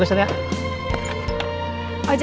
kita akuat akuat disini